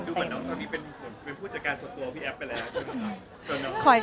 ดูเหมือนน้องที่เป็นผู้จัดการส่วนตัวของพี่แอฟไปแล้วค่ะ